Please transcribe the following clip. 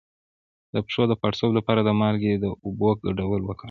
د پښو د پړسوب لپاره د مالګې او اوبو ګډول وکاروئ